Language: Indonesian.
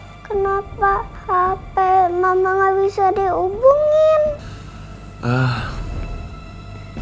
kenapa hape mama gak bisa dihubungin